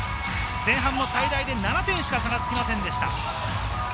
前半も最大で７点しか差がつきませんでした。